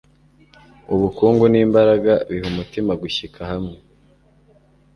ubukungu n'imbaraga biha umutima gushyika hamwe